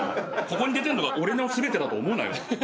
ここに出てるのが俺の全てだと思うなよ。